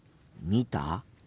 見た？